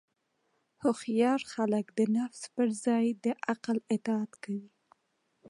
هوښیار خلک د نفس پر ځای د عقل اطاعت کوي.